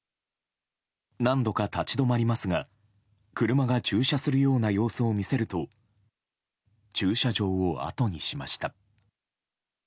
何度か立ち止まりますが車が駐車するような様子を見せると駐車場をあとにしました。